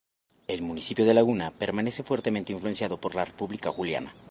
El municipio de Laguna permanece fuertemente influenciado por la República Juliana.